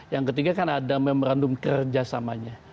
yang ketiga kan ada memerandum kerjasamanya